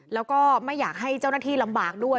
แล้วก็ไม่อยากให้เจ้าหน้าที่ลำบากด้วย